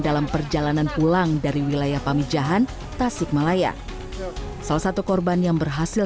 dalam perjalanan pulang dari wilayah pamidjahan tasik malaya salah satu korban yang berhasil